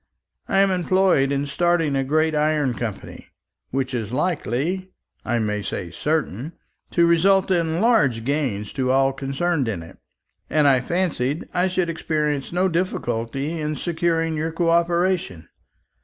I am employed in starting a great iron company, which is likely I may say certain to result in large gains to all concerned in it; and I fancied I should experience no difficulty in securing your co operation.